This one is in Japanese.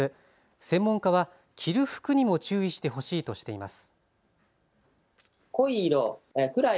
専門家は着る服にも注意してほしいとしています。